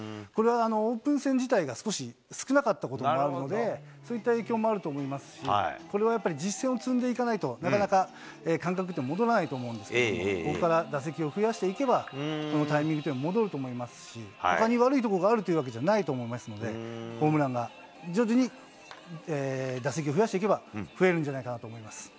これはオープン戦自体が少し少なかったこともあるので、そういった影響もあると思いますし、これはやっぱり、実戦を積んでいかないとなかなか感覚って戻らないと思うんですけれども、ここから打席を増やしていけば、このタイミングというのは戻ると思いますし、ほかに悪いところがあるということではないと思いますので、ホームランが徐々に、打席を増やしていけば、増えるんじゃないかなと思います。